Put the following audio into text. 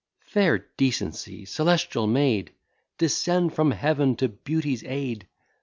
Fair Decency, celestial maid! Descend from Heaven to Beauty's aid!